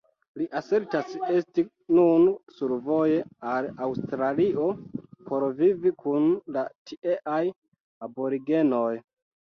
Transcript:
Li asertas esti nun survoje al Aŭstralio por vivi kun la tieaj aborigenoj.